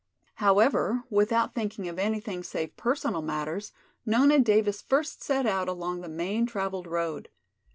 However, without thinking of anything save personal matters, Nona Davis first set out along the main traveled road.